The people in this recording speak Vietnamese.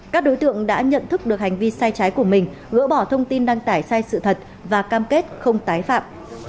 các đối tượng đã nhận thức được hành vi sai trái của mình gỡ bỏ thông tin đăng tải sai sự thật và cam kết không tái phạm